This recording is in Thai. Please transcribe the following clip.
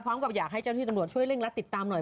พร้อมกับอยากให้เจ้าที่ตำรวจช่วยเร่งรัดติดตามหน่อย